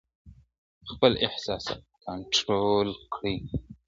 خپل احساسات کنټرول کړئ.